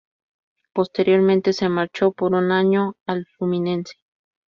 Posteriormente se marchó por un año al Fluminense.